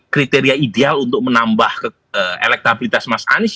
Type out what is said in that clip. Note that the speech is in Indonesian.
kriteria ideal untuk menambah elektabilitas mas anies